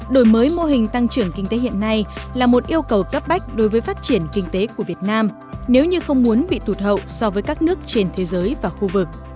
đổi mới mô hình tăng trưởng kinh tế hiện nay là một yêu cầu cấp bách đối với phát triển kinh tế của việt nam nếu như không muốn bị tụt hậu so với các nước trên thế giới và khu vực